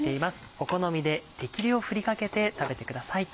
お好みで適量を振りかけて食べてください。